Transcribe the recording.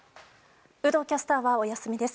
有働キャスターはお休みです。